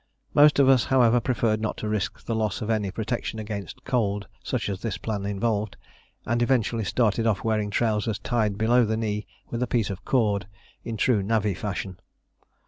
Most of us, however, preferred not to risk the loss of any protection against cold such as this plan involved, and eventually started off wearing trousers tied below the knee with a piece of cord, in true navvy fashion.